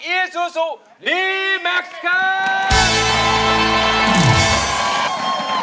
อีซูซูลีแม็กซ์กัน